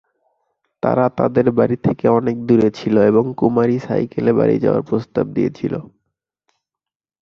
তারা তাদের বাড়ি থেকে অনেক দূরে ছিল এবং কুমারী সাইকেলে বাড়ি যাওয়ার প্রস্তাব দিয়েছিল।